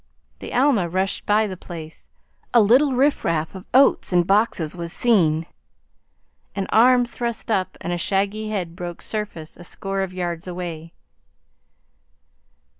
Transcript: The Alma rushed by the place. A little riffraff of oats and boxes was seen. An arm thrust up and a shaggy head broke surface a score of yards away.